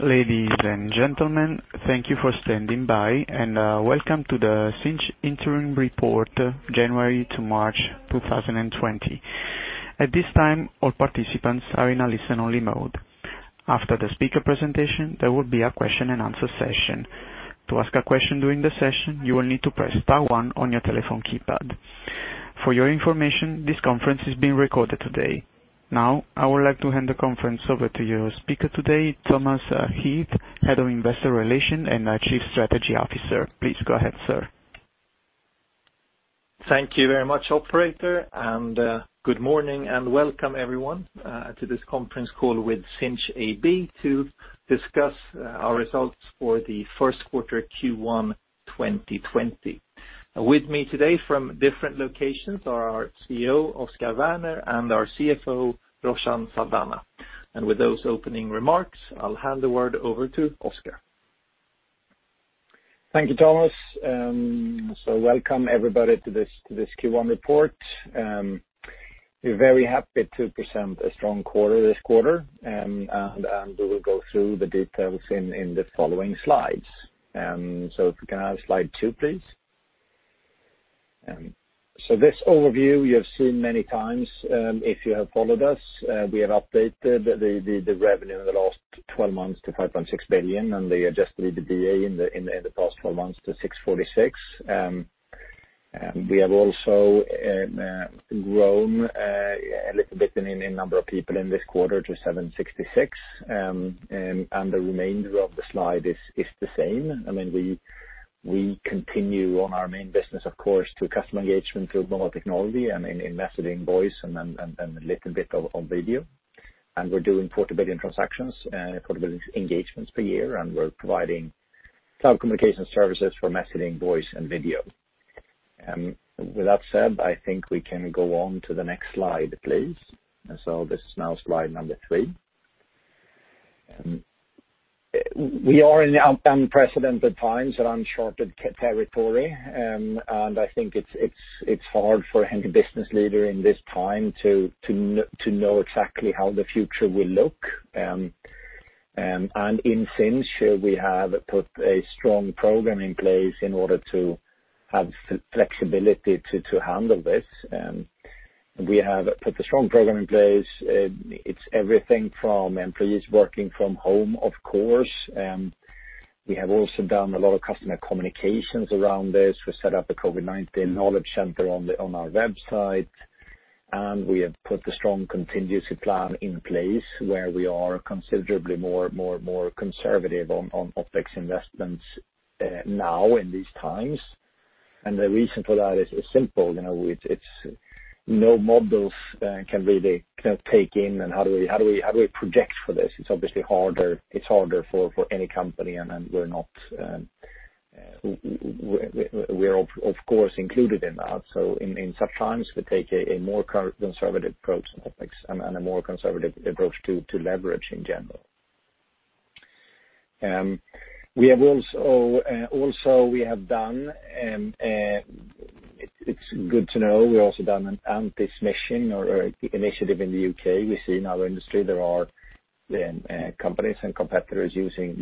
Ladies and gentlemen, thank you for standing by, and welcome to the Sinch interim report, January to March 2020. At this time, all participants are in a listen-only mode. After the speaker presentation, there will be a question-and-answer session. To ask a question during the session, you will need to press star one on your telephone keypad. For your information, this conference is being recorded today. Now, I would like to hand the conference over to your speaker today, Thomas Heath, Head of Investor Relations and our Chief Strategy Officer. Please go ahead, sir. Thank you very much, operator. Good morning and welcome everyone to this conference call with Sinch AB to discuss our results for the first quarter Q1 2020. With me today from different locations are our CEO, Oscar Werner, and our CFO, Roshan Saldanha. With those opening remarks, I'll hand the word over to Oscar. Thank you, Thomas. Welcome everybody to this Q1 report. We're very happy to present a strong quarter this quarter, and we will go through the details in the following slides. If we can have slide two, please. This overview you have seen many times, if you have followed us. We have updated the revenue in the last 12 months to 5.6 billion, and the adjusted EBITDA in the past 12 months to 646 million. We have also grown a little bit in number of people in this quarter to 766. The remainder of the slide is the same. We continue on our main business, of course, to customer engagement through mobile technology and in messaging, voice, and a little bit of video. We're doing 40 billion transactions, 40 billion engagements per year, and we're providing cloud communication services for messaging, voice, and video. With that said, I think we can go on to the next slide, please. This is now slide number three. We are in unprecedented times, uncharted territory, I think it's hard for any business leader in this time to know exactly how the future will look. In Sinch, we have put a strong program in place in order to have flexibility to handle this. We have put a strong program in place. It's everything from employees working from home, of course. We have also done a lot of customer communications around this. We set up a COVID-19 knowledge center on our website, we have put a strong contingency plan in place where we are considerably more conservative on OpEx investments now in these times. The reason for that is simple. No models can really take in and how do we project for this? It's obviously harder for any company, and we're of course included in that. In such times, we take a more conservative approach in OpEx and a more conservative approach to leverage in general. We have done, it's good to know, we've also done an anti-smishing or initiative in the U.K. We see in our industry there are companies and competitors using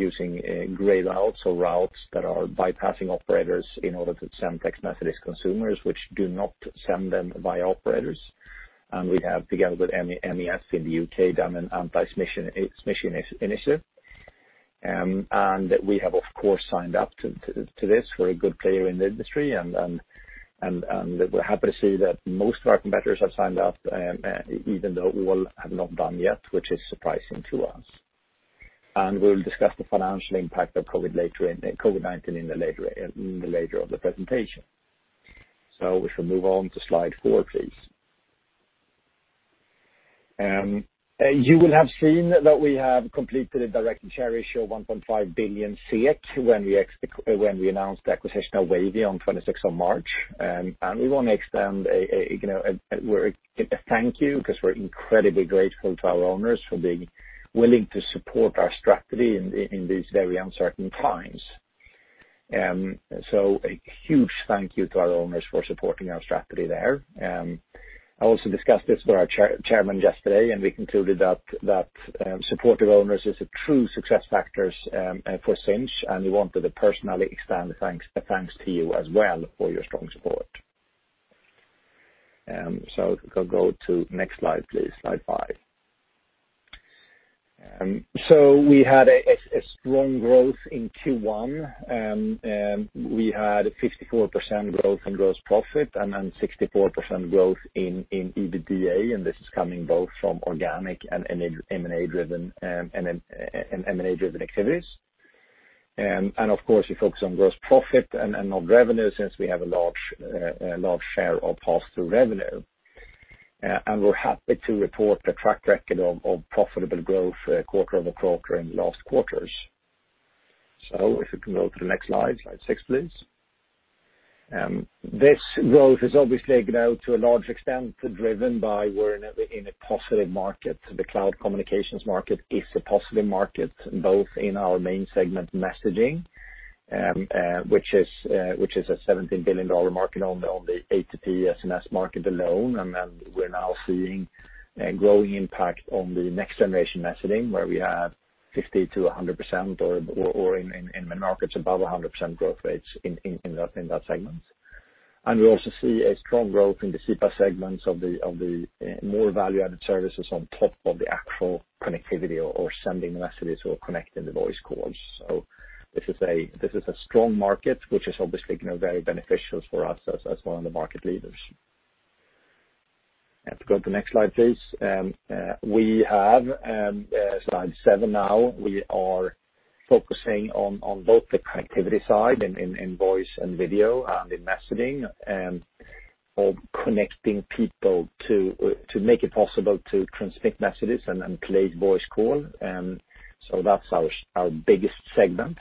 gray routes or routes that are bypassing operators in order to send text messages to consumers which do not send them via operators. We have, together with MEF in the U.K., done an anti-smishing initiative. We have, of course, signed up to this. We're a good player in the industry, and we're happy to see that most of our competitors have signed up, even though all have not done yet, which is surprising to us. We'll discuss the financial impact of COVID-19 in the later of the presentation. We shall move on to slide four, please. You will have seen that we have completed a direct share issue of 1.5 billion when we announced the acquisition of Wavy on March 26th. We want to extend a thank you because we're incredibly grateful to our owners for being willing to support our strategy in these very uncertain times. A huge thank you to our owners for supporting our strategy there. I also discussed this with our chairman yesterday, we concluded that supportive owners is a true success factors for Sinch, we wanted to personally extend thanks to you as well for your strong support. Go to next slide, please. Slide five. We had a strong growth in Q1. We had 54% growth in gross profit and 64% growth in EBITDA, this is coming both from organic and M&A-driven activities. Of course, we focus on gross profit and on revenue since we have a large share of pass-through revenue. We're happy to report the track record of profitable growth quarter-over-quarter in the last quarters. If we can go to the next slide six, please. This growth is obviously now to a large extent driven by we're in a positive market. The cloud communications market is a positive market, both in our main segment, messaging, which is a SEK 17 billion market on the A2P SMS market alone. We're now seeing a growing impact on the next-generation messaging, where we have 50%-100%, or in the markets above 100% growth rates in that segment. We also see a strong growth in the CPaaS segments of the more value-added services on top of the actual connectivity or sending messages or connecting the voice calls. This is a strong market, which is obviously very beneficial for us as one of the market leaders. Have to go to the next slide, please. We have slide seven now. We are focusing on both the connectivity side in voice and video and in messaging, or connecting people to make it possible to transmit messages and place voice call. That's our biggest segment,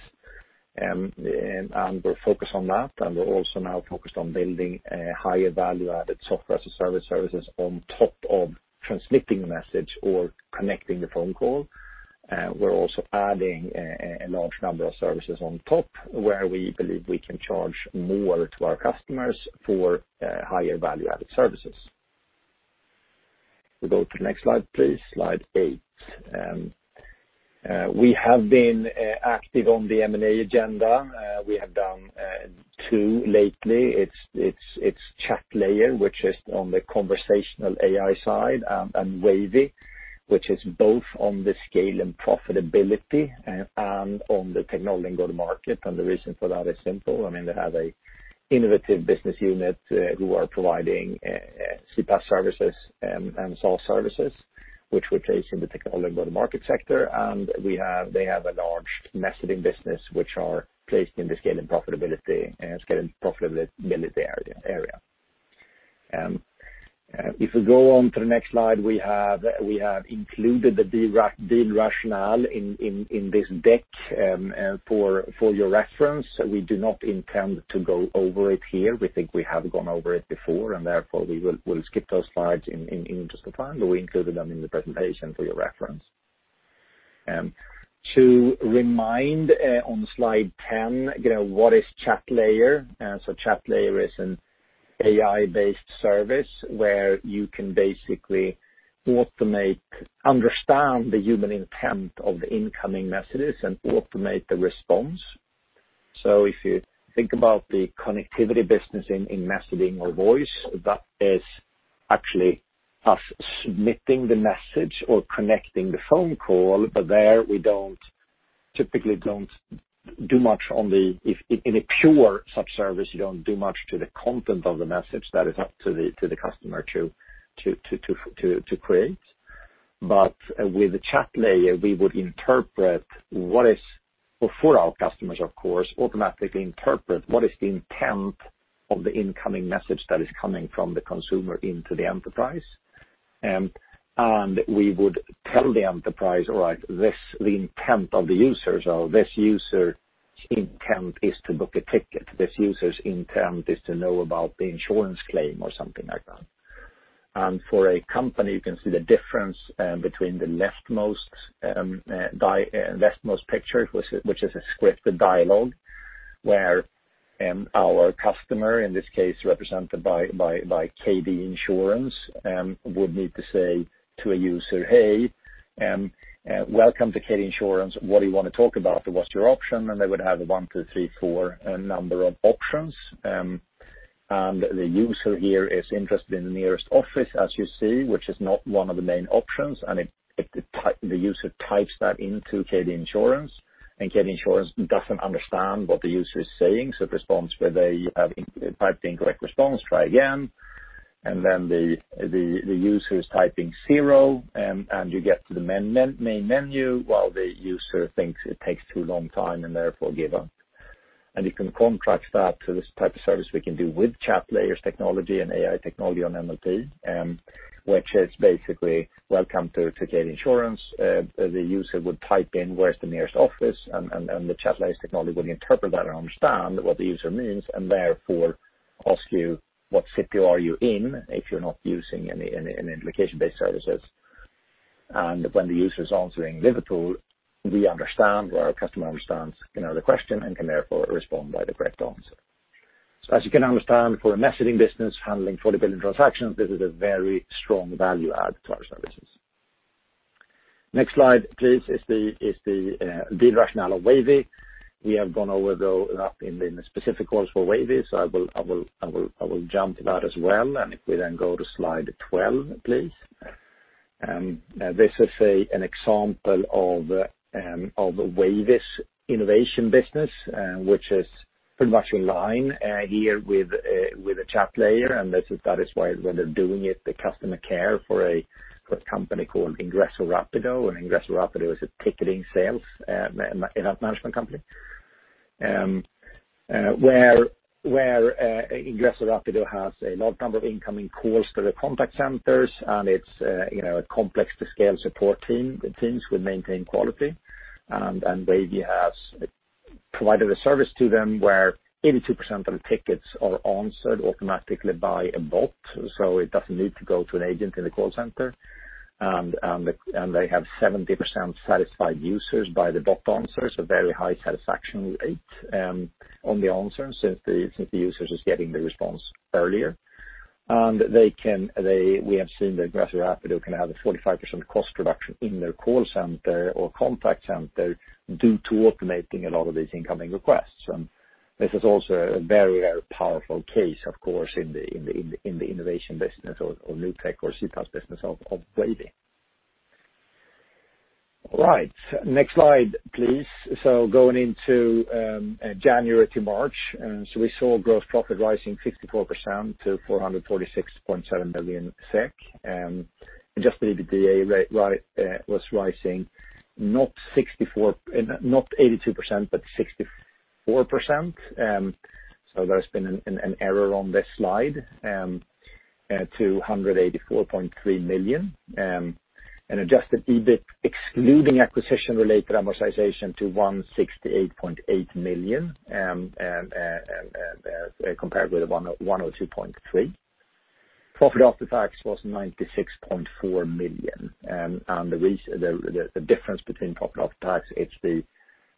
and we're focused on that. We're also now focused on building a higher value-added Software as a Service, services on top of transmitting the message or connecting the phone call. We're also adding a large number of services on top, where we believe we can charge more to our customers for higher value-added services. We go to the next slide, please. Slide eight. We have been active on the M&A agenda. We have done two lately. It's Chatlayer, which is on the conversational AI side, and Wavy, which is both on the scale and profitability, and on the technology and go-to-market. The reason for that is simple. They have an innovative business unit who are providing CPaaS services and SaaS services, which we place in the technology and go-to-market sector. They have a large messaging business, which are placed in the scale and profitability area. If we go on to the next slide, we have included the deal rationale in this deck for your reference. We do not intend to go over it here. We think we have gone over it before, and therefore we'll skip those slides in just a while, but we included them in the presentation for your reference. To remind, on slide 10, what is Chatlayer? Chatlayer is an AI-based service where you can basically understand the human intent of the incoming messages and automate the response. If you think about the connectivity business in messaging or voice, that is actually us submitting the message or connecting the phone call, but there we typically don't do much. In a pure sub-service, you don't do much to the content of the message. That is up to the customer to create. With the Chatlayer, we would, for our customers, of course, automatically interpret what is the intent of the incoming message that is coming from the consumer into the enterprise. We would tell the enterprise, all right, the intent of the users, or this user's intent is to book a ticket. This user's intent is to know about the insurance claim or something like that. For a company, you can see the difference between the leftmost picture, which is a scripted dialogue, where our customer, in this case represented by KBC Insurance, would need to say to a user, hey, welcome to KBC Insurance. What do you want to talk about? What's your option? They would have a one, two, three, four number of options. The user here is interested in the nearest office, as you see, which is not one of the main options. The user types that into KBC Insurance. KBC Insurance doesn't understand what the user is saying, so it responds with, you have typed incorrect response, try again. Then the user is typing zero, and you get to the main menu, while the user thinks it takes too long time and therefore give up. You can contrast that to this type of service we can do with Chatlayer technology and AI technology on NLP, which is basically, welcome to KBC Insurance. The user would type in, where's the nearest office? The Chatlayer technology would interpret that and understand what the user means, and therefore ask you what city are you in, if you're not using any location-based services. When the user is answering Liverpool, we understand, or our customer understands the question and can therefore respond by the correct answer. As you can understand, for a messaging business handling 40 billion transactions, this is a very strong value add to our services. Next slide, please, is the deal rationale of Wavy. We have gone over that in the specific calls for Wavy, I will jump to that as well. If we go to slide 12, please. This is an example of Wavy's innovation business, which is pretty much in line here with the Chatlayer, and that is where they're doing it, the customer care for a company called Ingresso Rápido. Ingresso Rápido is a ticketing sales and event management company, where Ingresso Rápido has a large number of incoming calls to the contact centers, and it's a complex to scale support teams to maintain quality. Wavy has provided a service to them where 82% of the tickets are answered automatically by a bot, so it doesn't need to go to an agent in the call center. They have 70% satisfied users by the bot answers, a very high satisfaction rate on the answers, since the user is getting the response earlier. We have seen that Ingresso Rápido can have a 45% cost reduction in their call center or contact center due to automating a lot of these incoming requests. This is also a very powerful case, of course, in the innovation business or new tech or CPaaS business of completing. Right. Next slide, please. Going into January to March, we saw gross profit rising 64% to SEK 446.7 million. Adjusted EBITDA was rising, not 82%, but 64%. There's been an error on this slide, to 184.3 million. Adjusted EBIT excluding acquisition-related amortization to 168.8 million, compared with 102.3 million. Profit after tax was 96.4 million. The difference between profit after tax, it's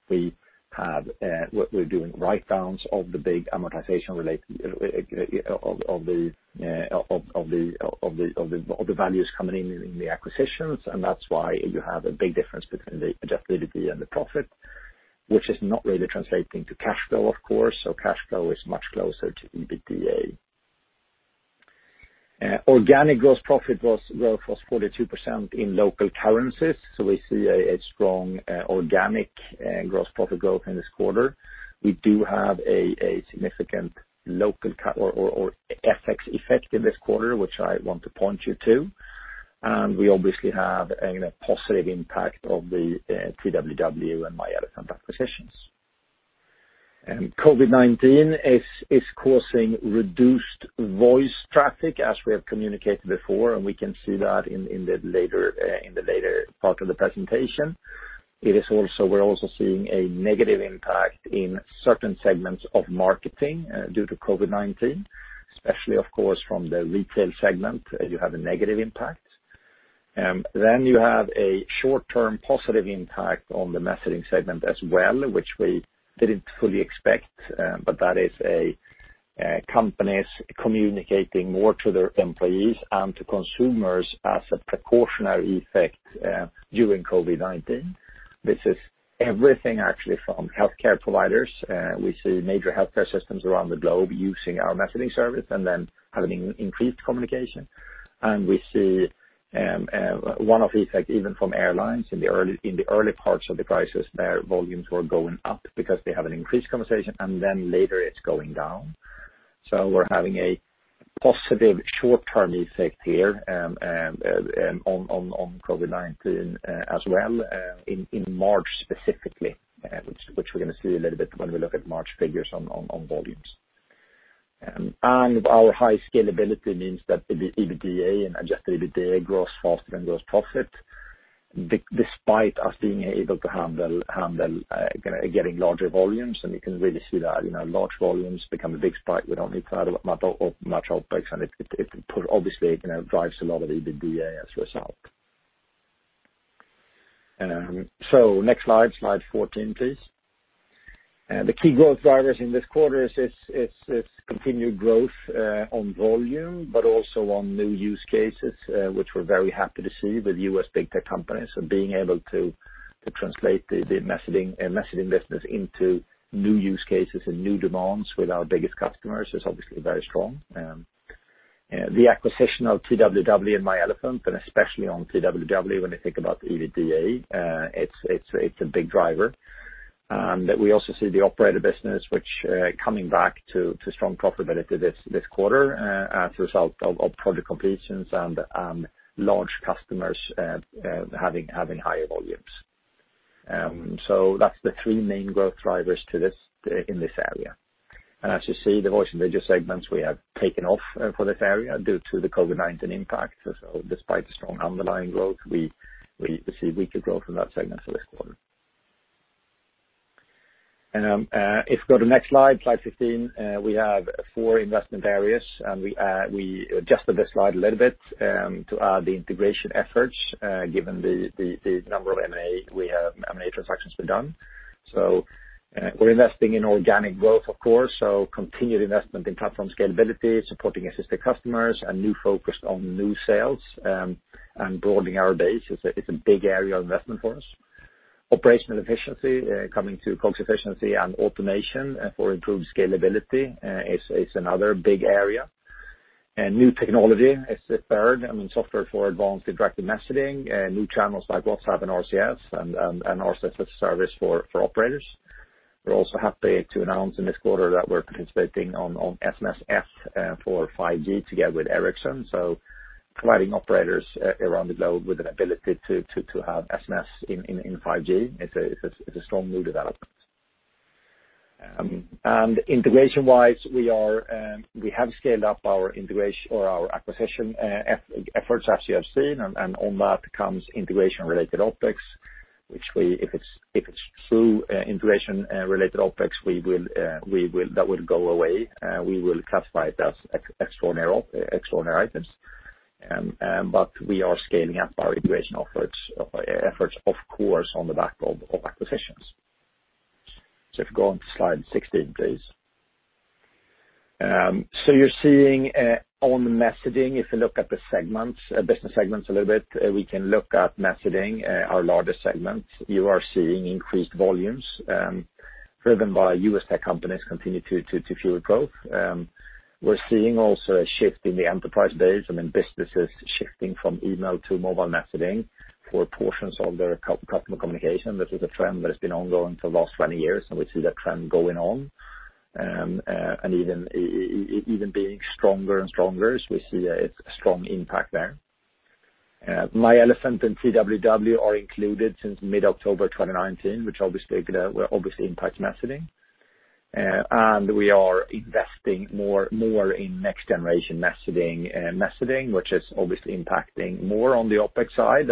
we had what we're doing, write-downs of the big amortization related of the values coming in in the acquisitions. That's why you have a big difference between the adjusted EBITDA and the profit, which is not really translating to cash flow, of course. Cash flow is much closer to EBITDA. Organic gross profit growth was 42% in local currencies. We see a strong organic gross profit growth in this quarter. We do have a significant local or FX effect in this quarter, which I want to point you to. We obviously have a positive impact of the TWW and myElefant acquisitions. COVID-19 is causing reduced voice traffic, as we have communicated before, and we can see that in the later part of the presentation. We're also seeing a negative impact in certain segments of marketing due to COVID-19, especially, of course, from the retail segment, you have a negative impact. You have a short-term positive impact on the messaging segment as well, which we didn't fully expect, but that is companies communicating more to their employees and to consumers as a precautionary effect during COVID-19. This is everything actually from healthcare providers. We see major healthcare systems around the globe using our messaging service and then having increased communication. We see one-off effect even from airlines in the early parts of the crisis, their volumes were going up because they have an increased conversation, and then later it's going down. We're having a positive short-term effect here on COVID-19 as well in March specifically, which we're going to see a little bit when we look at March figures on volumes. Our high scalability means that the EBITDA and adjusted EBITDA grows faster than gross profit, despite us being able to handle getting larger volumes, and you can really see that. Large volumes become a big spike. We don't need to add much OpEx, and it obviously drives a lot of the EBITDA as a result. Next slide 14, please. The key growth drivers in this quarter is continued growth on volume, but also on new use cases, which we're very happy to see with U.S. big tech companies and being able to translate the messaging business into new use cases and new demands with our biggest customers is obviously very strong. The acquisition of TWW and myElefant, and especially on TWW, when you think about the EBITDA, it's a big driver. We also see the operator business, which coming back to strong profitability this quarter as a result of project completions and large customers having higher volumes. So that's the three main growth drivers in this area. As you see, the voice and video segments we have taken off for this area due to the COVID-19 impact. So despite the strong underlying growth, we see weaker growth in that segment for this quarter. If you go to next slide 15, we have four investment areas, and we adjusted this slide a little bit to add the integration efforts, given the number of M&A transactions we've done. We're investing in organic growth, of course, so continued investment in platform scalability, supporting existing customers, a new focus on new sales, and broadening our base. It's a big area of investment for us. Operational efficiency, coming to cost efficiency and automation for improved scalability is another big area. New technology is the third, and software for advanced interactive messaging, new channels like WhatsApp and RCS, and RCS as a service for operators. We're also happy to announce in this quarter that we're participating on SMSF for 5G together with Ericsson. Providing operators around the globe with an ability to have SMS in 5G is a strong new development. Integration-wise, we have scaled up our acquisition efforts, as you have seen, and on that comes integration-related OpEx, which if it's true integration-related OpEx, that will go away. We will classify it as extraordinary items. We are scaling up our integration efforts, of course, on the back of acquisitions. If you go on to slide 16, please. You are seeing on the messaging, if you look at the business segments a little bit, we can look at messaging, our largest segment. You are seeing increased volumes, driven by U.S. tech companies continue to fuel growth. We are seeing also a shift in the enterprise base and in businesses shifting from email to mobile messaging for portions of their customer communication. This is a trend that has been ongoing for the last 20 years, and we see that trend going on. Even being stronger and stronger as we see a strong impact there. myElefant and TWW are included since mid-October 2019, which obviously will impact messaging. We are investing more in next generation messaging, which is obviously impacting more on the OpEx side.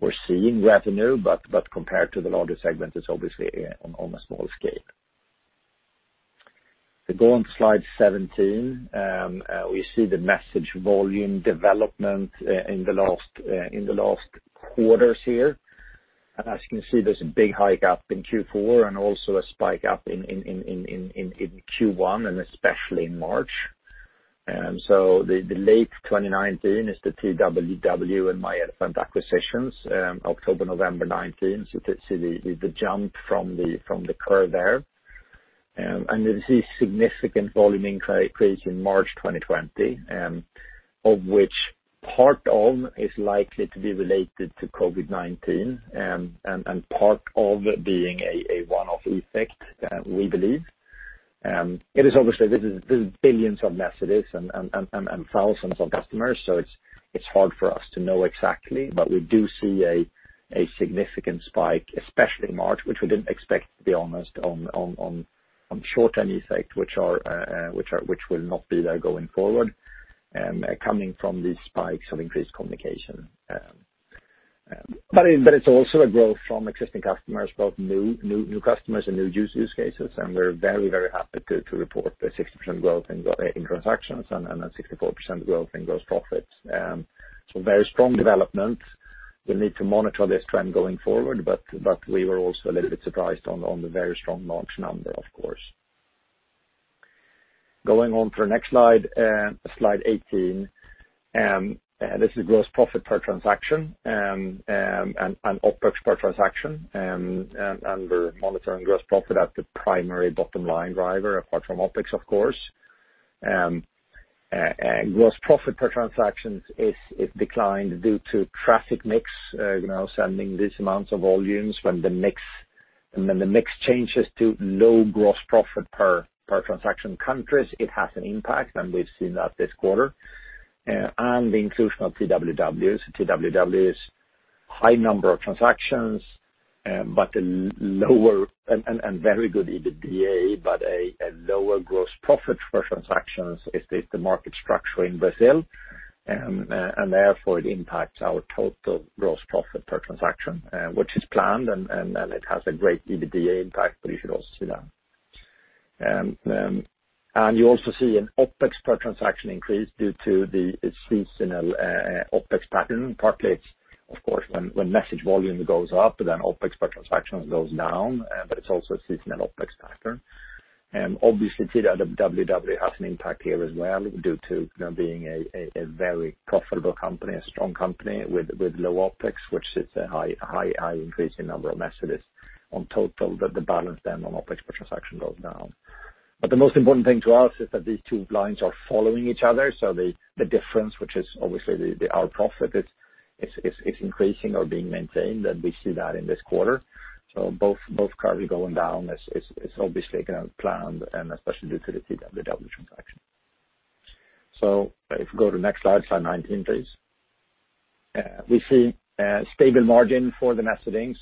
We're seeing revenue, but compared to the larger segment, it's obviously on a small scale. If we go on to slide 17, we see the message volume development in the last quarters here. As you can see, there's a big hike up in Q4 and also a spike up in Q1, and especially in March. The late 2019 is the TWW and myElefant acquisitions, October, November 2019. You can see the jump from the curve there. You see significant volume increase in March 2020, of which part of is likely to be related to COVID-19, and part of being a one-off effect, we believe. This is billions of messages and thousands of customers, so it's hard for us to know exactly, but we do see a significant spike, especially in March, which we didn't expect, to be honest, on short-term effect, which will not be there going forward, coming from these spikes of increased communication. It's also a growth from existing customers, both new customers and new use cases, and we're very, very happy to report the 60% growth in transactions and a 64% growth in gross profits. Very strong development. We need to monitor this trend going forward, but we were also a little bit surprised on the very strong March number, of course. Going on to the next slide 18. This is gross profit per transaction, and OpEx per transaction, and we're monitoring gross profit as the primary bottom line driver, apart from OpEx, of course. Gross profit per transactions is declined due to traffic mix, sending this amount of volumes when the mix changes to low gross profit per transaction countries, it has an impact, and we've seen that this quarter. The inclusion of TWW's, high number of transactions, and very good EBITDA, but a lower gross profit per transactions is the market structure in Brazil, and therefore it impacts our total gross profit per transaction, which is planned, and it has a great EBITDA impact, but you should also see that. You also see an OpEx per transaction increase due to the seasonal OpEx pattern. Partly it's, of course, when message volume goes up, then OpEx per transaction goes down, but it's also a seasonal OpEx pattern. Obviously TWW has an impact here as well due to being a very profitable company, a strong company with low OpEx, which is a high increase in number of messages on total, that the balance then on OpEx per transaction goes down. The difference, which is obviously our profit, it's increasing or being maintained, and we see that in this quarter. Both curves going down is obviously planned, and especially due to the TWW transaction. If you go to the next slide 19, please. We see a stable margin for the messaging.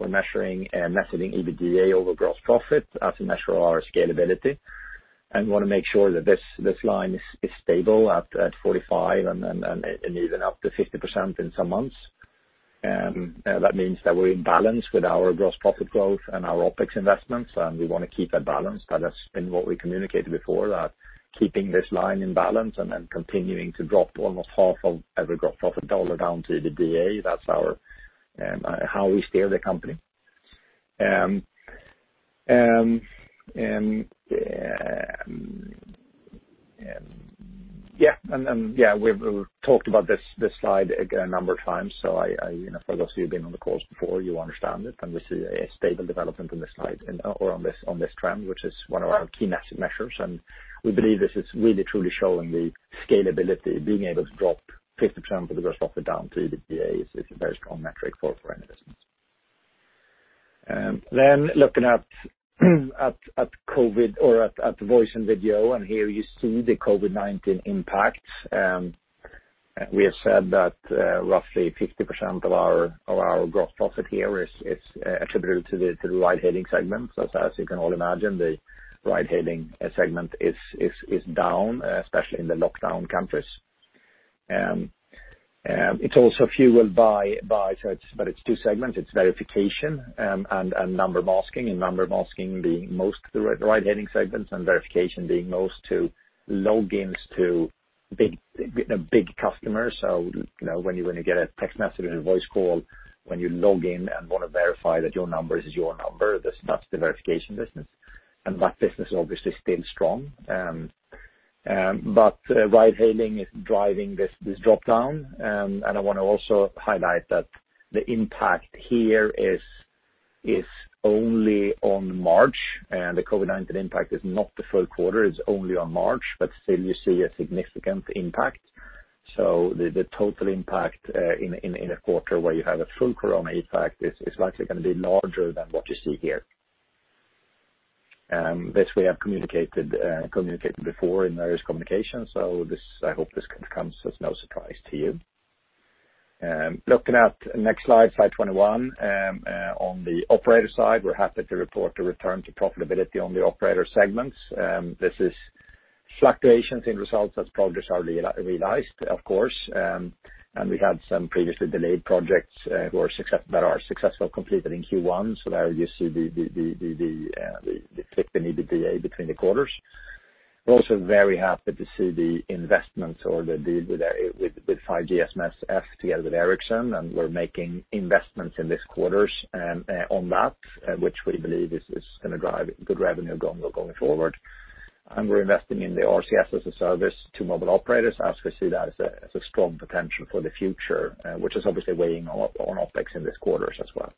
We're measuring messaging EBITDA over gross profit as we measure our scalability, and want to make sure that this line is stable at 45% and even up to 50% in some months. That means that we're in balance with our gross profit growth and our OpEx investments. We want to keep that balance. That has been what we communicated before, that keeping this line in balance and then continuing to drop almost half of every gross profit dollar down to EBITDA, that's how we steer the company. We've talked about this slide a number of times, so for those of you been on the calls before, you understand it, and we see a stable development on this trend, which is one of our key measures. We believe this is really truly showing the scalability, being able to drop 50% of the gross profit down to EBITDA is a very strong metric for any business. Looking at voice and video, and here you see the COVID-19 impact. We have said that roughly 50% of our gross profit here is attributable to the ride-hailing segment. As you can all imagine, the ride-hailing segment is down, especially in the lockdown countries. It's also fueled by two segments. It's verification and number masking, and number masking being most to the ride-hailing segments, and verification being most to logins to-big customer. When you get a text message or a voice call, when you log in and want to verify that your number is your number, that's the verification business. That business is obviously still strong. Ride-hailing is driving this drop-down. I want to also highlight that the impact here is only on March, the COVID-19 impact is not the full quarter, it's only on March, but still you see a significant impact. The total impact, in a quarter where you have a full corona impact, is likely going to be larger than what you see here. This we have communicated before in various communications, I hope this comes as no surprise to you. Looking at next slide 21. On the operator side, we're happy to report a return to profitability on the operator segments. This is fluctuations in results as projects are realized, of course, and we had some previously delayed projects that are successful completed in Q1, there you see the flick they need to be between the quarters. We're also very happy to see the investments or with 5G SMSF together with Ericsson, we're making investments in these quarters on that, which we believe is going to drive good revenue going forward. We're investing in the RCS as a service to mobile operators, as we see that as a strong potential for the future, which is obviously weighing on OpEx in this quarters as well.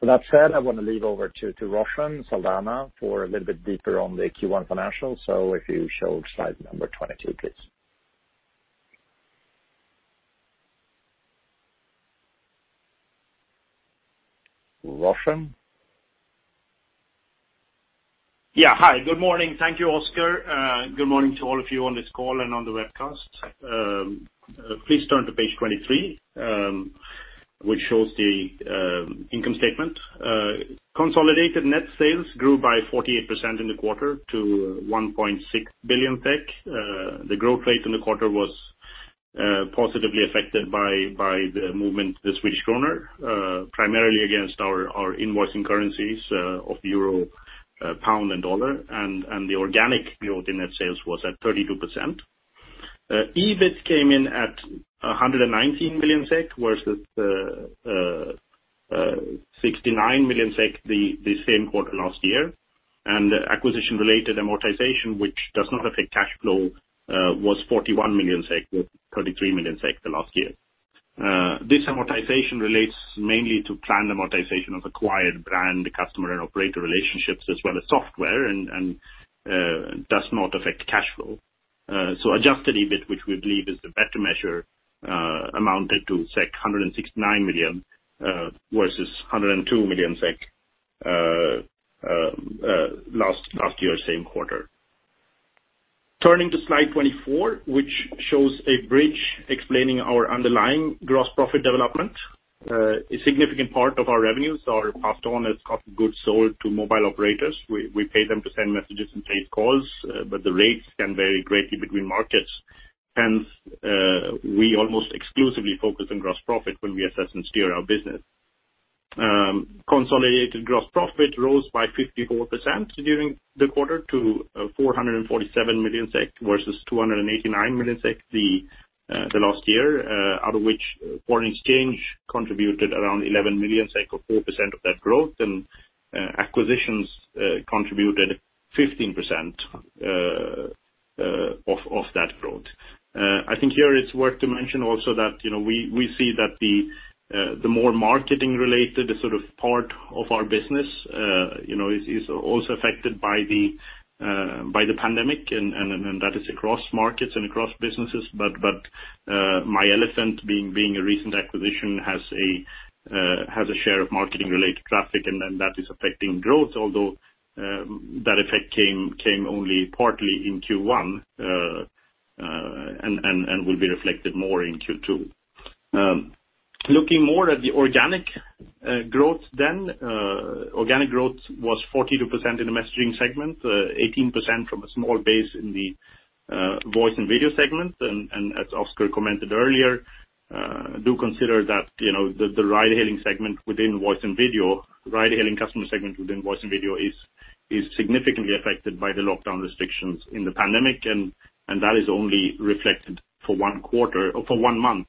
With that said, I want to leave over to Roshan Saldanha for a little bit deeper on the Q1 financials. If you show slide number 22, please. Roshan? Yeah. Hi, good morning. Thank you, Oscar. Good morning to all of you on this call and on the webcast. Please turn to page 23, which shows the income statement. Consolidated net sales grew by 48% in the quarter to 1.6 billion. The growth rate in the quarter was positively affected by the movement of the Swedish krona, primarily against our invoicing currencies of euro, pound, and dollar, and the organic growth in net sales was at 32%. EBIT came in at 119 million SEK, versus 69 million SEK the same quarter last year. Acquisition-related amortization, which does not affect cash flow, was 41 million SEK, with 33 million SEK the last year. This amortization relates mainly to planned amortization of acquired brand customer and operator relationships as well as software, and does not affect cash flow. Adjusted EBIT, which we believe is the better measure, amounted to 169 million, versus 102 million SEK last year, same quarter. Turning to slide 24, which shows a bridge explaining our underlying gross profit development. A significant part of our revenues are passed on as cost of goods sold to mobile operators. We pay them to send messages and place calls, but the rates can vary greatly between markets, hence, we almost exclusively focus on gross profit when we assess and steer our business. Consolidated gross profit rose by 54% during the quarter to 447 million SEK versus 289 million SEK the last year, out of which foreign exchange contributed around 11 million or 4% of that growth, and acquisitions contributed 15% of that growth. I think here it's worth to mention also that we see that the more marketing related sort of part of our business is also affected by the pandemic, and that is across markets and across businesses. myElefant being a recent acquisition, has a share of marketing related traffic that is affecting growth, although that effect came only partly in Q1, and will be reflected more in Q2. Looking more at the organic growth, organic growth was 42% in the messaging segment, 18% from a small base in the voice and video segment. As Oscar commented earlier, do consider that the ride-hailing customer segment within voice and video is significantly affected by the lockdown restrictions in the pandemic, and that is only reflected for one month,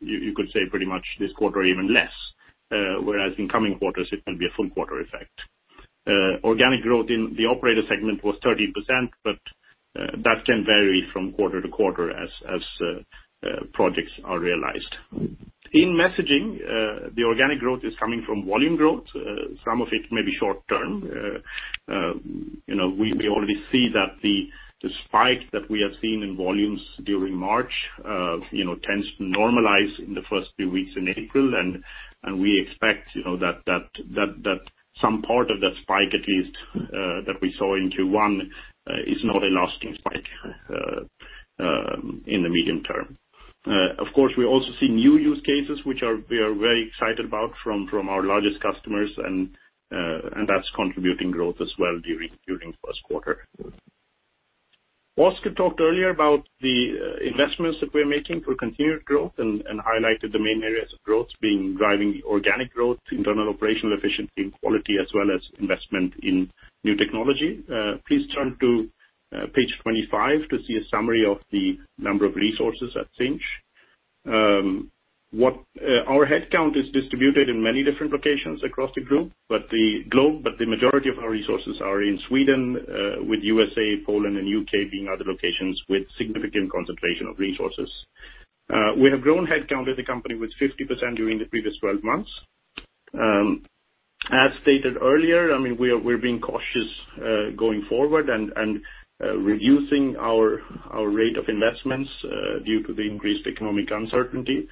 you could say pretty much this quarter, even less. Whereas in coming quarters, it will be a full quarter effect. Organic growth in the operator segment was 13%. That can vary from quarter-to-quarter as projects are realized. In messaging, the organic growth is coming from volume growth. Some of it may be short-term. We already see that the spike that we have seen in volumes during March tends to normalize in the first few weeks in April, and we expect that some part of that spike, at least, that we saw in Q1, is not a lasting spike in the medium term. Of course, we also see new use cases, which we are very excited about from our largest customers, and that's contributing growth as well during first quarter. Oscar talked earlier about the investments that we're making for continued growth and highlighted the main areas of growth being driving the organic growth, internal operational efficiency and quality as well as investment in new technology. Please turn to page 25 to see a summary of the number of resources at Sinch. Our headcount is distributed in many different locations across the globe, but the majority of our resources are in Sweden, with U.S.A., Poland, and U.K. being other locations with significant concentration of resources. We have grown headcount at the company with 50% during the previous 12 months. As stated earlier, we're being cautious going forward and reducing our rate of investments due to the increased economic uncertainty.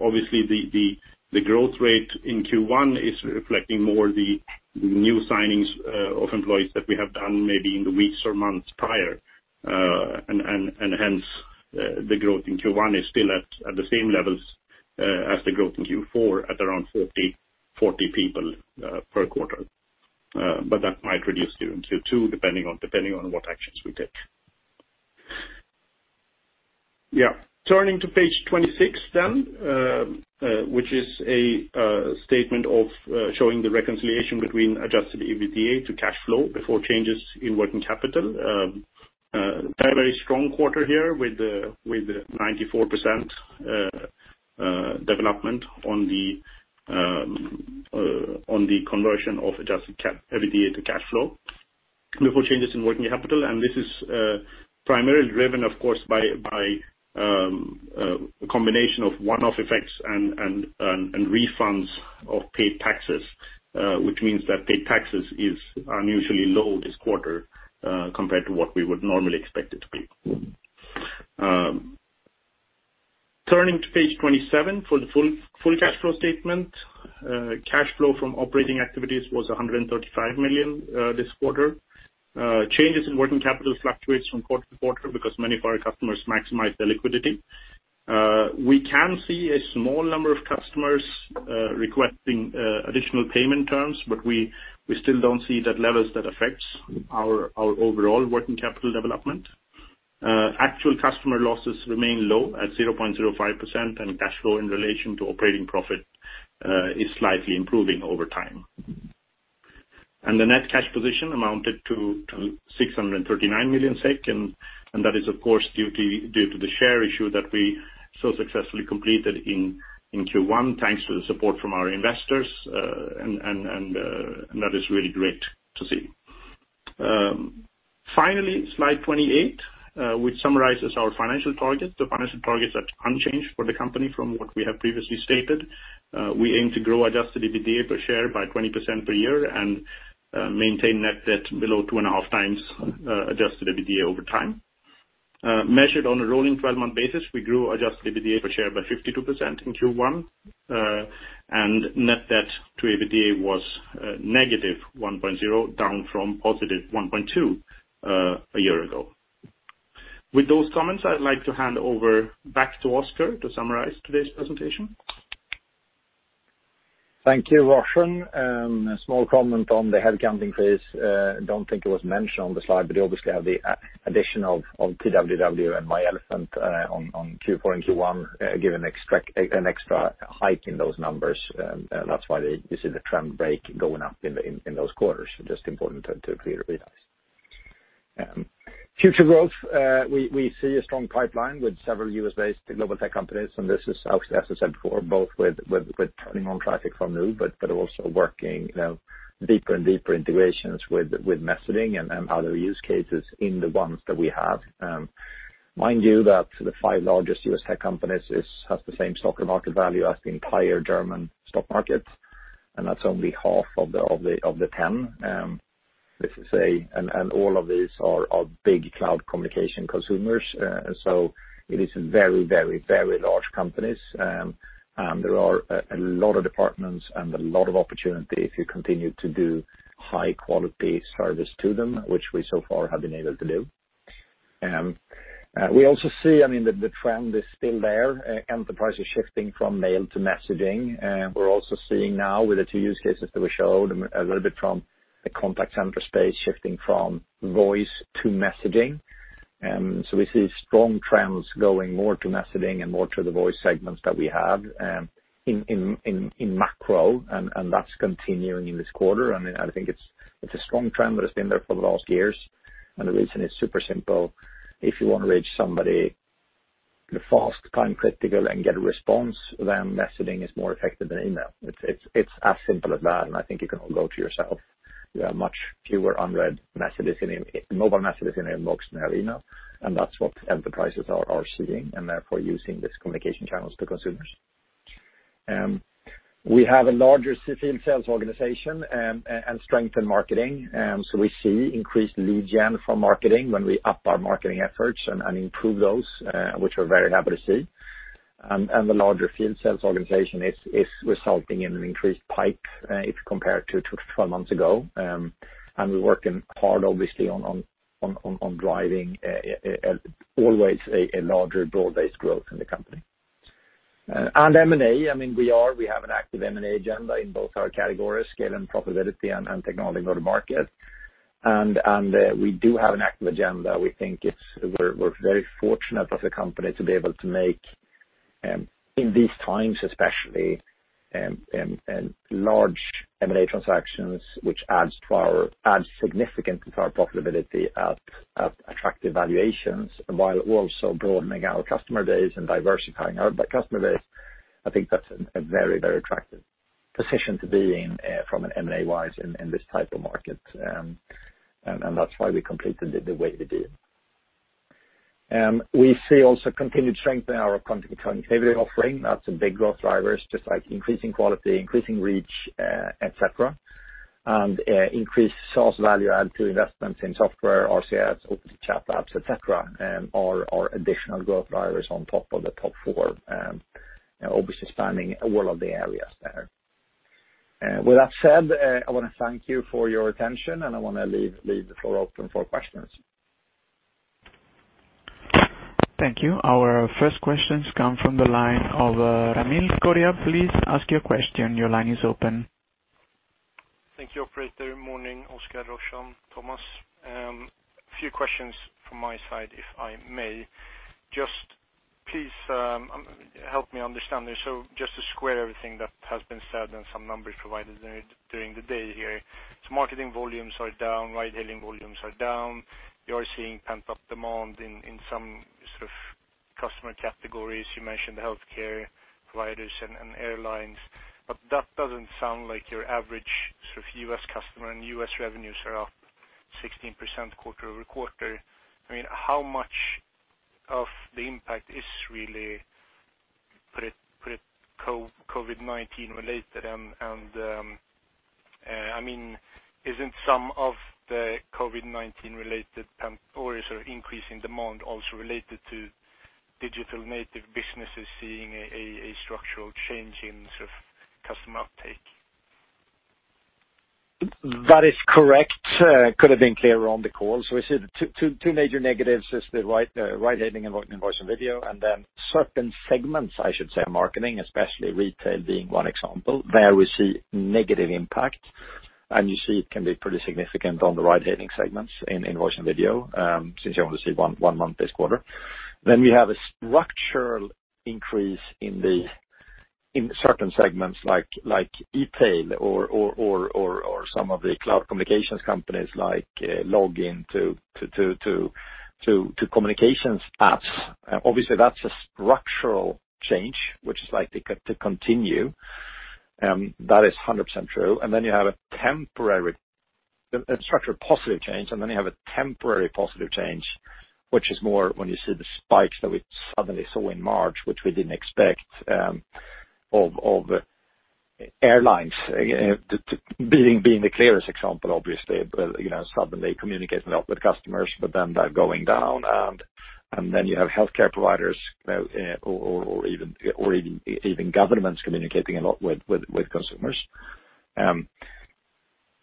Obviously, the growth rate in Q1 is reflecting more the new signings of employees that we have done maybe in the weeks or months prior. Hence, the growth in Q1 is still at the same levels as the growth in Q4, at around 40 people per quarter. That might reduce during Q2, depending on what actions we take. Turning to page 26 then, which is a statement of showing the reconciliation between adjusted EBITDA to cash flow before changes in working capital. Very strong quarter here with 94% development on the conversion of adjusted EBITDA to cash flow before changes in working capital. This is primarily driven, of course, by a combination of one-off effects and refunds of paid taxes, which means that paid taxes are unusually low this quarter compared to what we would normally expect it to be. Turning to page 27 for the full cash flow statement. Cash flow from operating activities was 135 million this quarter. Changes in working capital fluctuates from quarter to quarter because many of our customers maximize their liquidity. We can see a small number of customers requesting additional payment terms, we still don't see that levels that affects our overall working capital development. Actual customer losses remain low at 0.05%. Cash flow in relation to operating profit is slightly improving over time. The net cash position amounted to 639 million SEK. That is, of course, due to the share issue that we so successfully completed in Q1, thanks to the support from our investors. That is really great to see. Finally, slide 28, which summarizes our financial targets. The financial targets are unchanged for the company from what we have previously stated. We aim to grow adjusted EBITDA per share by 20% per year and maintain net debt below 2.5x adjusted EBITDA over time. Measured on a rolling 12-month basis, we grew adjusted EBITDA per share by 52% in Q1. Net debt to EBITDA was -1.0%, down from +1.2% a year ago. With those comments, I'd like to hand over back to Oscar to summarize today's presentation. Thank you, Roshan. Small comment on the head counting phase. Don't think it was mentioned on the slide, but you obviously have the addition of TWW and myElefant, on Q4 and Q1, give an extra hike in those numbers, and that's why you see the trend break going up in those quarters. Just important to clearly realize. Future growth, we see a strong pipeline with several U.S.-based global tech companies, and this is as I said before, both with turning on traffic from new, but also working deeper and deeper integrations with messaging and other use cases in the ones that we have. Mind you that the five largest U.S. tech companies has the same stock market value as the entire German stock market, and that's only half of the 10, let's just say. All of these are big cloud communication consumers, so it is very large companies. There are a lot of departments and a lot of opportunity if you continue to do high quality service to them, which we so far have been able to do. We also see, the trend is still there. Enterprise is shifting from mail to messaging. We're also seeing now with the two use cases that we showed, a little bit from the contact center space shifting from voice to messaging. We see strong trends going more to messaging and more to the voice segments that we have in macro, and that's continuing in this quarter. I think it's a strong trend that has been there for the last years. The reason is super simple. If you want to reach somebody fast, time critical, and get a response, then messaging is more effective than email. It's as simple as that, and I think you can all go to yourself. There are much fewer unread mobile messages in inbox than there are email, and that's what enterprises are seeing, and therefore using these communication channels to consumers. We have a larger field sales organization and strength in marketing. We see increased lead gen from marketing when we up our marketing efforts and improve those, which we're very happy to see. The larger field sales organization is resulting in an increased pipe if compared to 12 months ago. We're working hard, obviously, on driving always a larger broad-based growth in the company. M&A, we have an active M&A agenda in both our categories, scale and profitability and technology go to market. We do have an active agenda. We think we're very fortunate as a company to be able to make in these times especially, in large M&A transactions, which adds significantly to our profitability at attractive valuations, while also broadening our customer base and diversifying our customer base. I think that's a very attractive position to be in from an M&A-wise in this type of market. That's why we completed it the way we did. We see also continued strength in our content delivery offering. That's a big growth driver, just like increasing quality, increasing reach, et cetera. Increased source value add to investments in software, RCS, OTT, chat apps, et cetera, are our additional growth drivers on top of the top four, and obviously spanning all of the areas there. With that said, I want to thank you for your attention, and I want to leave the floor open for questions. Thank you. Our first questions come from the line of Ramil Koria. Please ask your question. Your line is open. Thank you, operator. Morning, Oscar, Roshan, Thomas. A few questions from my side, if I may. Just please help me understand this. Just to square everything that has been said and some numbers provided during the day here. Marketing volumes are down, ride-hailing volumes are down. You are seeing pent-up demand in some sort of customer categories. You mentioned healthcare providers and airlines. That doesn't sound like your average U.S. customer, and U.S. revenues are up 16% quarter-over-quarter. How much of the impact is really COVID-19 related, and isn't some of the COVID-19 related increase in demand also related to digital native businesses seeing a structural change in customer uptake? That is correct. Could have been clearer on the call. We see two major negatives is the ride-hailing and voice and video, and then certain segments, I should say, marketing, especially retail being one example, there we see negative impact. You see it can be pretty significant on the ride-hailing segments in voice and video, since you only see one month this quarter. We have a structural increase in certain segments like e-tail or some of the cloud communications companies like Login to communications apps. Obviously, that's a structural change, which is likely to continue. That is 100% true. A structural positive change. You have a temporary positive change, which is more when you see the spikes that we suddenly saw in March, which we didn't expect, of airlines being the clearest example, obviously, suddenly communicating a lot with customers. They're going down. You have healthcare providers or even governments communicating a lot with consumers.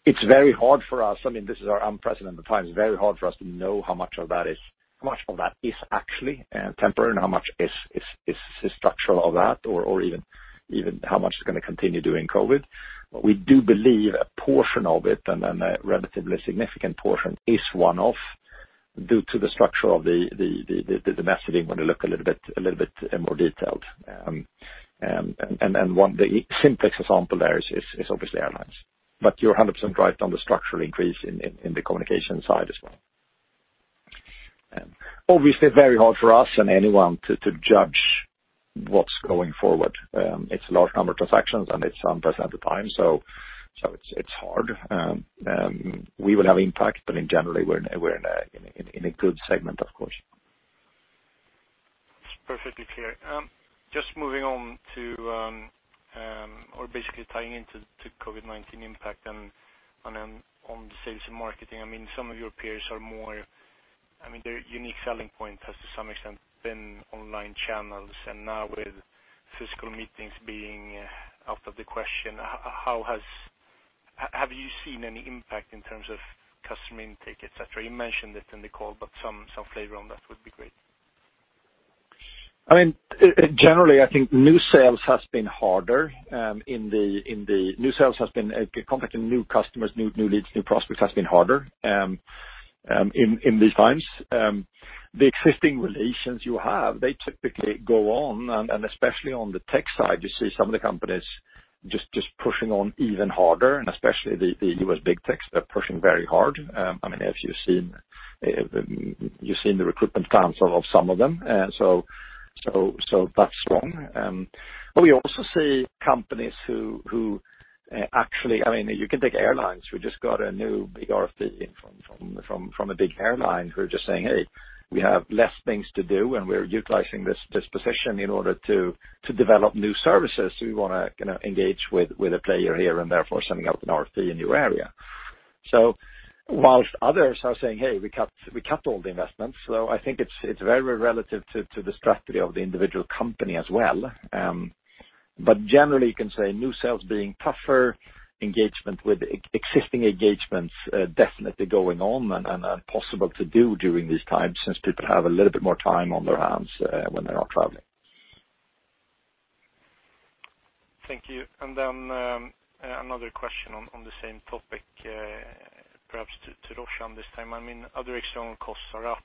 This is our unprecedented times. It's very hard for us to know how much of that is actually temporary and how much is structural of that, or even how much is going to continue during COVID. We do believe a portion of it, and a relatively significant portion, is one-off due to the structure of the messaging when you look a little bit more detailed. The simplest example there is obviously airlines. You're 100% right on the structural increase in the communication side as well. Obviously, it's very hard for us and anyone to judge what's going forward. It's a large number of transactions, and it's unprecedented times, so it's hard. We will have impact, but in general, we're in a good segment, of course. It's perfectly clear. Just moving on to, or basically tying into COVID-19 impact and on the sales and marketing, some of your peers, their unique selling point has to some extent been online channels, and now with physical meetings being out of the question, have you seen any impact in terms of customer intake, et cetera? You mentioned it in the call, but some flavor on that would be great. Generally, I think new sales has been harder. Contacting new customers, new leads, new prospects has been harder in these times. The existing relations you have, they typically go on, and especially on the tech side, you see some of the companies just pushing on even harder, and especially the U.S. big techs are pushing very hard. You've seen the recruitment plans of some of them. That's one. We also see companies. You can take airlines, we just got a new big RFP in from a big airline who are just saying, hey, we have less things to do, and we're utilizing this position in order to develop new services. We want to engage with a player here, and therefore sending out an RFP in your area. While others are saying, hey, we cut all the investments. I think it's very relative to the strategy of the individual company as well. Generally, you can say new sales being tougher, engagement with existing engagements definitely going on and possible to do during these times, since people have a little bit more time on their hands when they're not traveling. Thank you. Another question on the same topic, perhaps to Roshan this time. Other external costs are up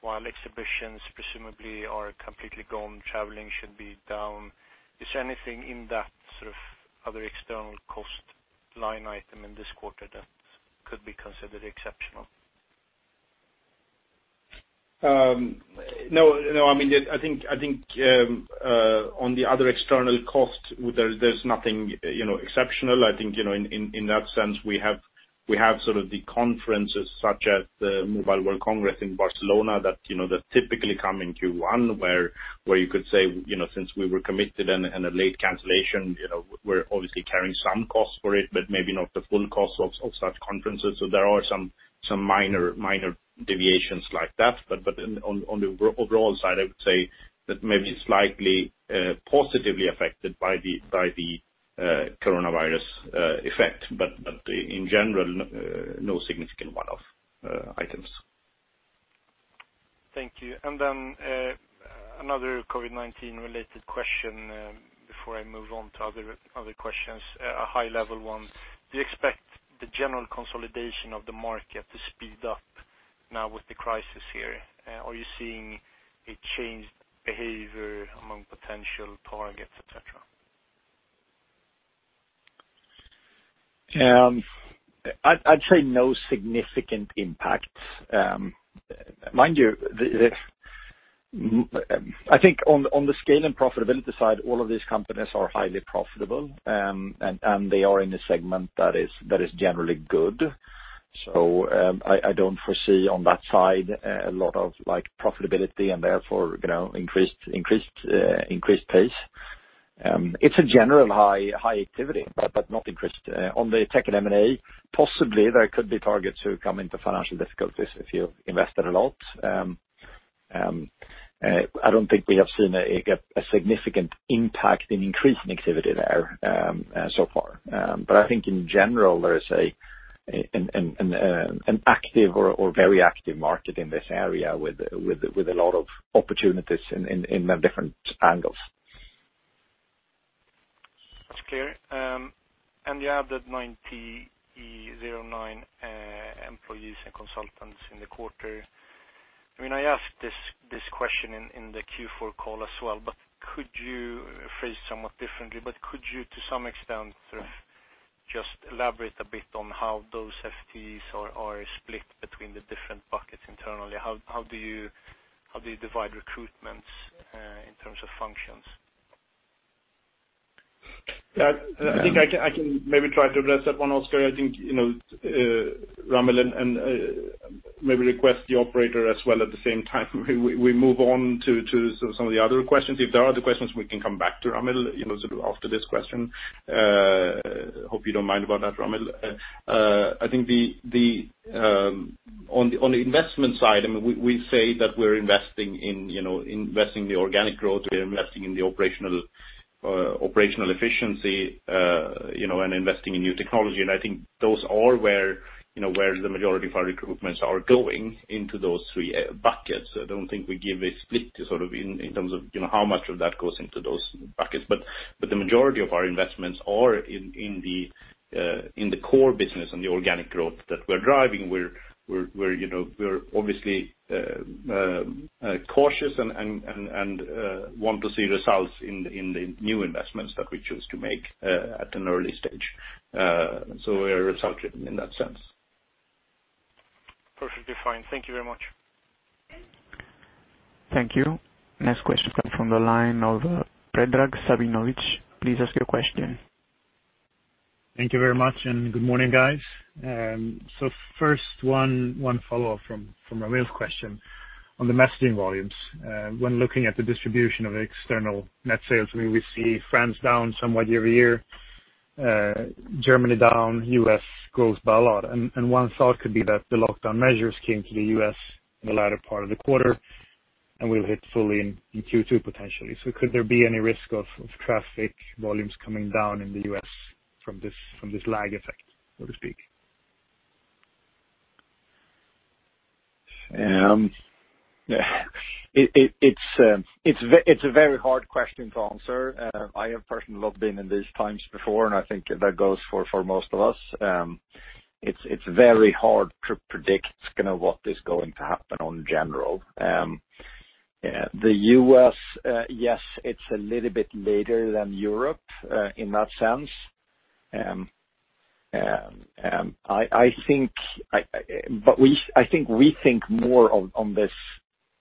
while exhibitions presumably are completely gone, traveling should be down. Is anything in that other external cost line item in this quarter that could be considered exceptional? No. I think on the other external cost, there's nothing exceptional. I think, in that sense, we have the conferences such as the Mobile World Congress in Barcelona that typically come in Q1, where you could say, since we were committed and a late cancellation, we're obviously carrying some cost for it, but maybe not the full cost of such conferences. There are some minor deviations like that, but on the overall side, I would say that maybe slightly positively affected by the coronavirus effect. In general, no significant one-off items. Thank you. Another COVID-19 related question before I move on to other questions, a high level one. Do you expect the general consolidation of the market to speed up now with the crisis here? Are you seeing a changed behavior among potential targets, et cetera? I'd say no significant impacts. Mind you, I think on the scale and profitability side, all of these companies are highly profitable, and they are in a segment that is generally good. I don't foresee on that side a lot of profitability and therefore increased pace. It's a general high activity, but not increased. On the tech and M&A, possibly there could be targets who come into financial difficulties if you invested a lot. I don't think we have seen a significant impact in increase in activity there so far. I think in general, there is an active or very active market in this area with a lot of opportunities in the different angles. That's clear. You have that 9,009 employees and consultants in the quarter. I asked this question in the Q4 call as well, phrased somewhat differently, could you, to some extent, just elaborate a bit on how those FTEs are split between the different buckets internally? How do you divide recruitments, in terms of functions? I think I can maybe try to address that one, Oscar. I think, Ramil, and maybe request the operator as well at the same time. We move on to some of the other questions. If there are other questions, we can come back to Ramil, after this question. Hope you don't mind about that, Ramil. I think on the investment side, we say that we're investing in the organic growth, we're investing in the operational efficiency, and investing in new technology. I think those are where the majority of our recruitments are going into those three buckets. I don't think we give a split in terms of how much of that goes into those buckets. The majority of our investments are in the core business and the organic growth that we're driving. We're obviously cautious and want to see results in the new investments that we choose to make at an early stage. We're resultant in that sense. Perfectly fine. Thank you very much. Thank you. Next question comes from the line of Predrag Savinovic. Please ask your question. Thank you very much. Good morning, guys. First, one follow-up from Ramil's question on the messaging volumes. When looking at the distribution of external net sales, we see France down somewhat year-over-year, Germany down, U.S. grows by a lot. One thought could be that the lockdown measures came to the U.S. in the latter part of the quarter, and will hit fully in Q2 potentially. Could there be any risk of traffic volumes coming down in the U.S. from this lag effect, so to speak? It's a very hard question to answer. I have personally not been in these times before, and I think that goes for most of us. It's very hard to predict what is going to happen on general. The U.S., yes, it's a little bit later than Europe in that sense. I think we think more on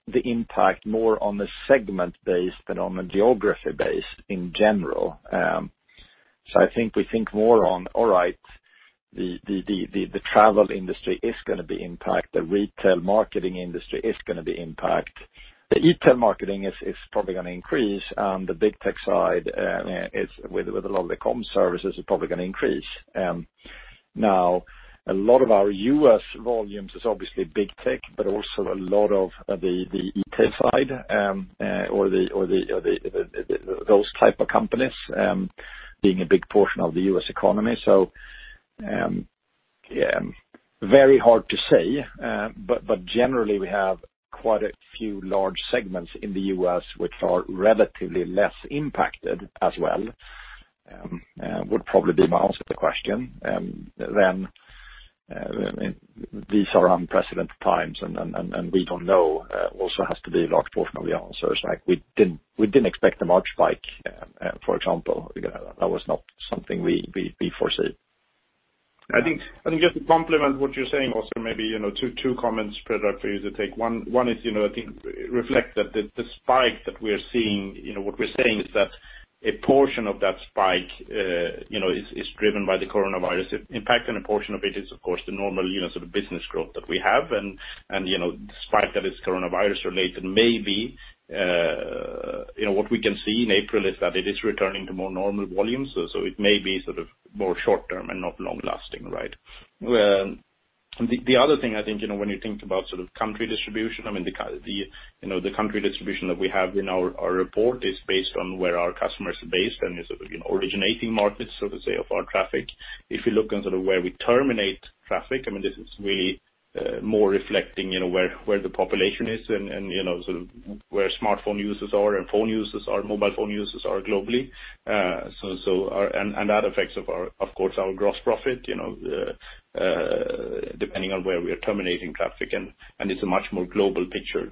the impact more on the segment base than on a geography base in general. I think we think more on, all right, the travel industry is going to be impact. The retail marketing industry is going to be impact. The e-tail marketing is probably going to increase on the big tech side, with a lot of the comm services are probably going to increase. A lot of our U.S. volumes is obviously big tech, but also a lot of the e-tail side, or those type of companies, being a big portion of the U.S. economy. Very hard to say. Generally, we have quite a few large segments in the U.S. which are relatively less impacted as well, would probably be my answer to the question. These are unprecedented times, and we don't know, also has to be a large portion of the answers. We didn't expect the March spike, for example. That was not something we foresee. I think just to complement what you're saying, also maybe two comments, Fredrik, for you to take. One is, I think reflect that the spike that we're seeing, what we're saying is that a portion of that spike is driven by the coronavirus impact, and a portion of it is, of course, the normal unit business growth that we have. The spike that is coronavirus-related may be, what we can see in April is that it is returning to more normal volumes. It may be more short-term and not long-lasting, right? The other thing, I think, when you think about country distribution, the country distribution that we have in our report is based on where our customers are based and originating markets, so to say, of our traffic. If you look on where we terminate traffic, this is really more reflecting where the population is and where smartphone users are, mobile phone users are globally. That affects, of course, our gross profit, depending on where we are terminating traffic. It's a much more global picture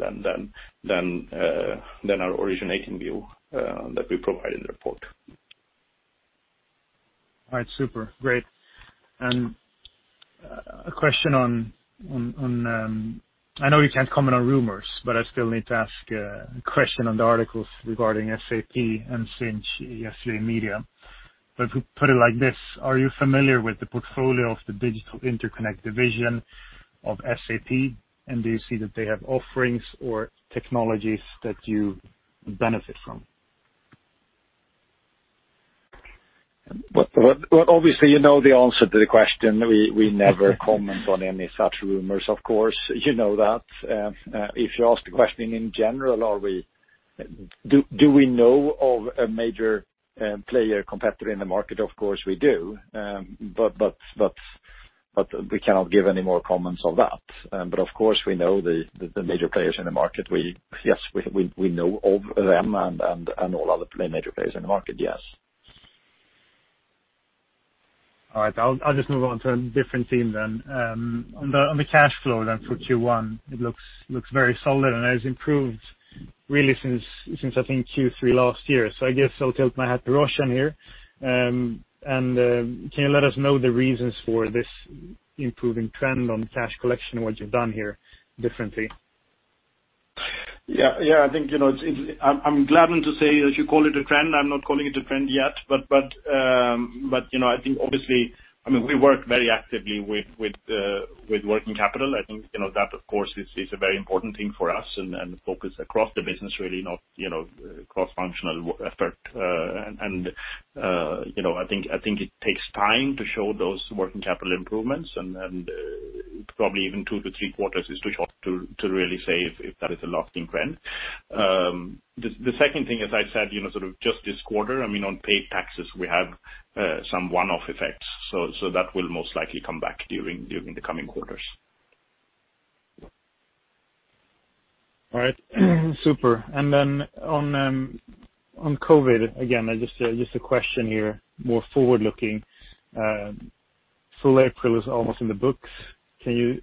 than our originating view that we provide in the report. All right. Super. Great. A question on, I know you can't comment on rumors, but I still need to ask a question on the articles regarding SAP and Sinch yesterday media. Put it like this. Are you familiar with the portfolio of the Digital Interconnect division of SAP? Do you see that they have offerings or technologies that you benefit from? Obviously, you know the answer to the question. We never comment on any such rumors, of course. You know that. If you ask the question in general, do we know of a major player competitor in the market? Of course, we do. We cannot give any more comments on that. Of course, we know the major players in the market. Yes, we know of them and all other major players in the market, yes. All right. I'll just move on to a different theme. On the cash flow for Q1, it looks very solid, and has improved really since, I think, Q3 last year. I guess I'll tilt my hat to Roshan here. Can you let us know the reasons for this improving trend on cash collection and what you've done here differently? Yeah. I'm glad to say that you call it a trend. I'm not calling it a trend yet. I think obviously, we work very actively with working capital. I think that of course is a very important thing for us and the focus across the business really, not cross-functional effort. I think it takes time to show those working capital improvements, and probably even two to three quarters is too short to really say if that is a lasting trend. The second thing, as I said, just this quarter, on paid taxes, we have some one-off effects. That will most likely come back during the coming quarters. All right. Super. On COVID, again, just a question here, more forward-looking. Full April is almost in the books. Can you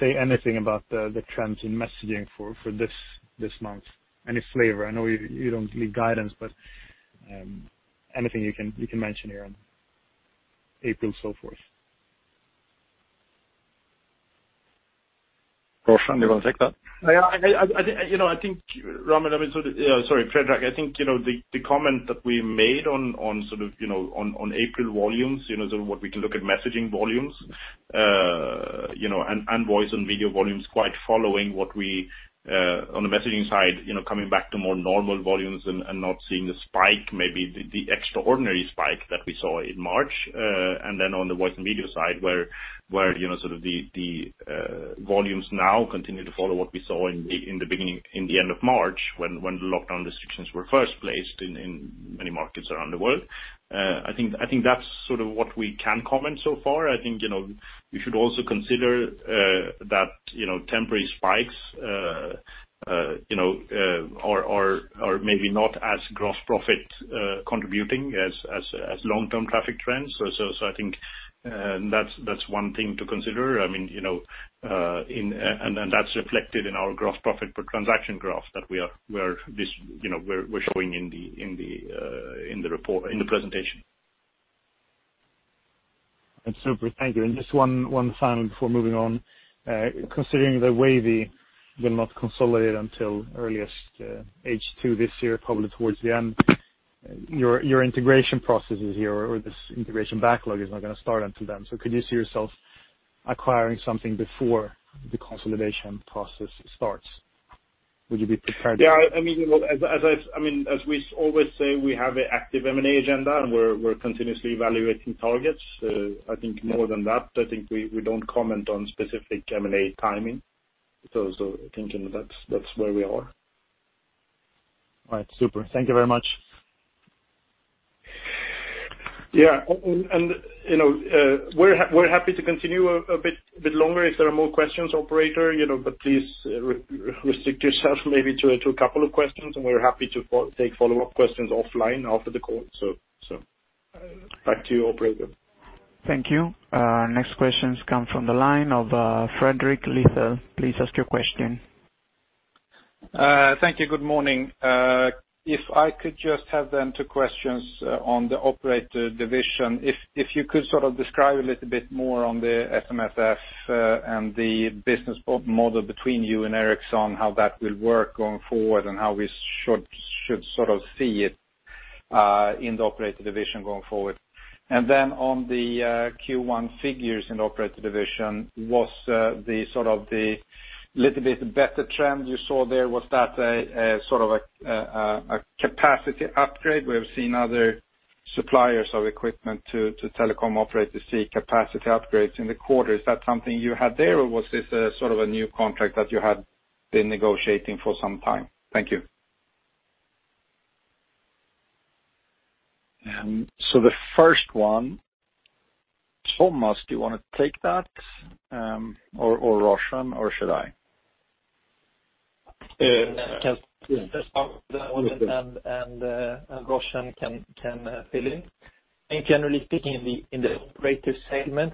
say anything about the trends in messaging for this month? Any flavor? I know you don't give guidance, but anything you can mention here on April so forth? Roshan, do you want to take that? Yeah. I think, Ramil, sorry, Predrag, I think the comment that we made on April volumes, what we can look at messaging volumes, and voice and video volumes quite following what we, on the messaging side, coming back to more normal volumes and not seeing the spike, maybe the extraordinary spike that we saw in March. On the voice and video side, where the volumes now continue to follow what we saw in the end of March, when the lockdown restrictions were first placed in many markets around the world. I think that's what we can comment so far. I think, we should also consider that temporary spikes are maybe not as gross profit contributing as long-term traffic trends. I think that's one thing to consider. That's reflected in our gross profit per transaction graph that we're showing in the presentation. That's super. Thank you. Just one final before moving on. Considering Wavy, we will not consolidate until earliest H2 this year, probably towards the end, your integration processes here, or this integration backlog is not going to start until then. Could you see yourself acquiring something before the consolidation process starts? Would you be prepared to? Yeah. As we always say, we have an active M&A agenda, we're continuously evaluating targets. I think more than that, I think we don't comment on specific M&A timing. I think that's where we are. All right. Super. Thank you very much. Yeah. We're happy to continue a bit longer if there are more questions, operator, but please restrict yourself maybe to a couple of questions, and we're happy to take follow-up questions offline after the call. Back to you, operator. Thank you. Next questions come from the line of Fredrik Lithell. Please ask your question. Thank you. Good morning. If I could just have two questions on the operator division. If you could sort of describe a little bit more on the SMSF and the business model between you and Ericsson, how that will work going forward, and how we should sort of see it in the operator division going forward. On the Q1 figures in the operator division, was the sort of the little bit better trend you saw there, was that a sort of a capacity upgrade? We have seen other suppliers of equipment to telecom operators see capacity upgrades in the quarter. Is that something you had there, or was this a sort of a new contract that you had been negotiating for some time? Thank you. The first one, Thomas, do you want to take that, or Roshan, or should I? I can start with that one. Roshan can fill in. Generally speaking, in the operator segment,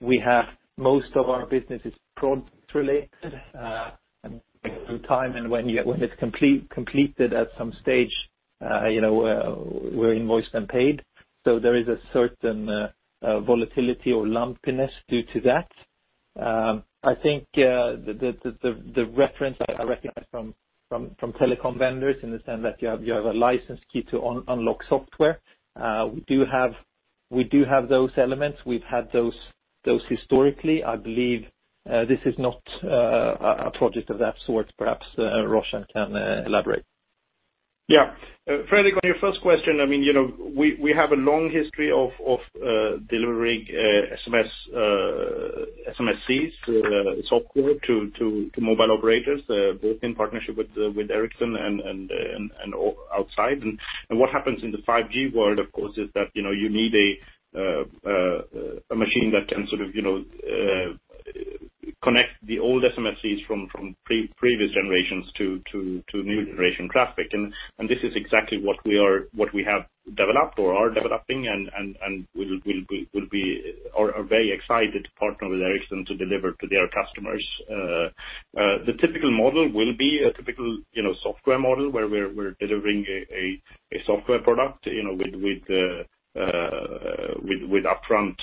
we have most of our business is product related, and through time and when it's completed at some stage, we're invoiced and paid. There is a certain volatility or lumpiness due to that. I think the reference I recognize from telecom vendors in the sense that you have a license key to unlock software. We do have those elements. We've had those historically. I believe this is not a project of that sort. Perhaps Roshan can elaborate. Fredrik, on your first question, we have a long history of delivering SMSCs software to mobile operators, both in partnership with Ericsson and outside. What happens in the 5G world, of course, is that you need a machine that can sort of connect the old SMSCs from previous generations to new generation traffic. This is exactly what we have developed or are developing and are very excited to partner with Ericsson to deliver to their customers. The typical model will be a typical software model where we're delivering a software product with upfront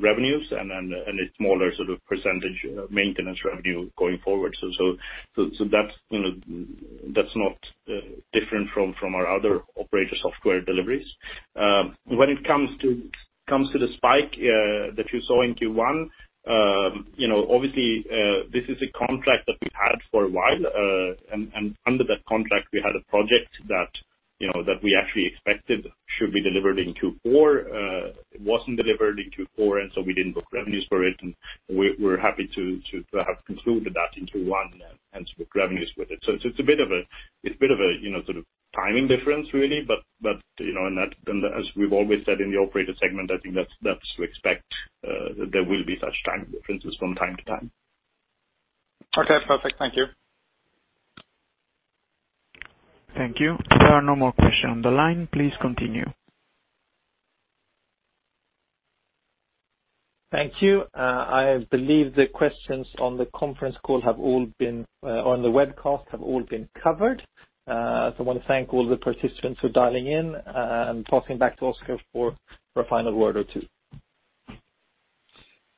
revenues and a smaller sort of percentage maintenance revenue going forward. That's not different from our other operator software deliveries. When it comes to the spike that you saw in Q1, obviously this is a contract that we've had for a while. Under that contract, we had a project that we actually expected should be delivered in Q4. It wasn't delivered in Q4, and so we didn't book revenues for it, and we're happy to have concluded that in Q1 and book revenues with it. It's a bit of a sort of timing difference, really. As we've always said in the operator segment, I think that's to expect there will be such timing differences from time to time. Okay, perfect. Thank you. Thank you. There are no more questions on the line. Please continue. Thank you. I believe the questions on the webcast have all been covered. I want to thank all the participants for dialing in, and tossing back to Oscar for a final word or two.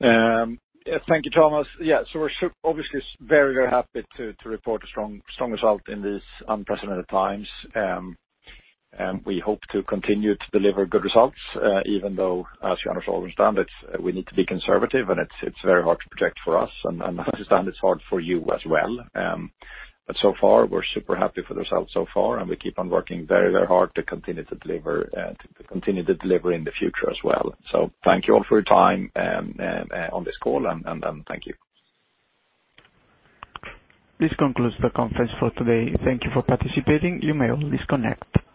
Thank you, Thomas. Yeah, we're obviously very happy to report a strong result in these unprecedented times. We hope to continue to deliver good results, even though, as you understand, we need to be conservative, and it's very hard to project for us, and I understand it's hard for you as well. So far, we're super happy for the results so far, and we keep on working very hard to continue to deliver in the future as well. Thank you all for your time on this call, and thank you. This concludes the conference for today. Thank you for participating. You may all disconnect.